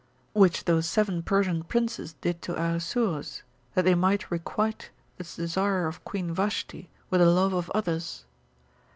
Which those seven Persian princes did to Ahasuerus, that they might requite the desire of Queen Vashti with the love of others.